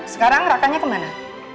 sekarang rakanya kemana